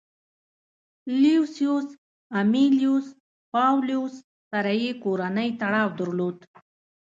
لوسیوس امیلیوس پاولوس سره یې کورنی تړاو درلود